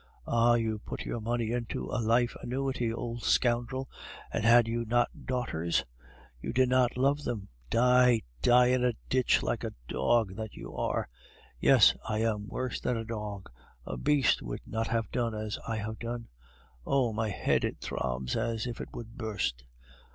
Ah! you put your money into a life annuity, old scoundrel; and had you not daughters? You did not love them. Die, die in a ditch, like the dog that you are! Yes, I am worse than a dog; a beast would not have done as I have done! Oh! my head... it throbs as if it would burst."